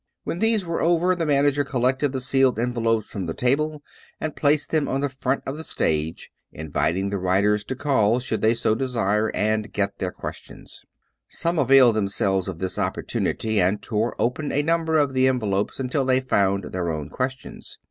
When these were over, the manager collected the sealed envelopes from the table, and placed them on the front of the stage, inviting the writers 263 True Stories of Modern Magic to call, should they so desire, and get their questions. Some availed themselves of this opportunity and tore open a number of the envelopes until they found their own ques tions.